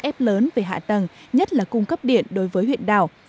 ép lớn về hạ tầng nhất là cung cấp điện đối với huyện đảo